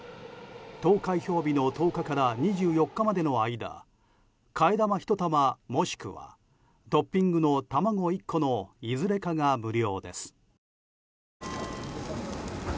投開票日の１０日から２４日までの間替え玉ひと玉もしくはトッピングの玉子１個のいずれかが無料です。